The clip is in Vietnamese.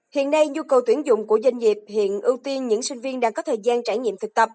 hiện nay nhu cầu tuyển dụng của doanh nghiệp hiện ưu tiên những sinh viên đang có thời gian trải nghiệm thực tập